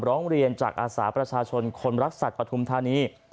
ร้องเรียนจากอาสาประชาชนคนรักสัตว์ปฐุมธานี